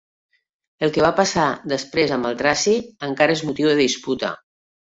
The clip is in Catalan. El que va passar després amb el traci encara és motiu de disputa.